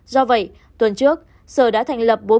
do vậy tuần trước sở đã thành lập